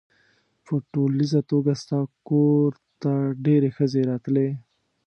په ټولیزه توګه ستا کور ته ډېرې ښځې راتلې.